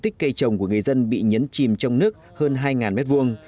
diện tích cây trồng của người dân bị nhấn chìm trong nước hơn hai m hai